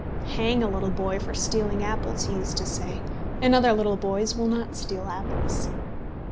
Hang a little boy for stealing apples, he used to say, and other little boys will not steal apples.